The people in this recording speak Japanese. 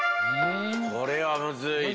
これはむずいね。